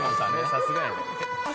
「さすがやね」